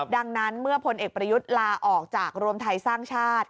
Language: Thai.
ดังนั้นเมื่อพลเอกประยุทธ์ลาออกจากรวมไทยสร้างชาติ